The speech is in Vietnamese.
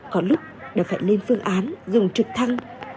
có lúc đã phải lên phương án dùng trực thăng